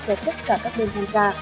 cho tất cả các bên tham gia